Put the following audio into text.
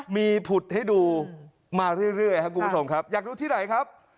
มีผุดให้ดูมาเรื่อยครับคุณผู้ชมครับอยากดูที่ไหนครับ